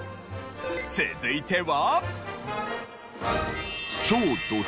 続いては。